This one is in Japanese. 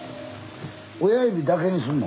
親指だけにすんの？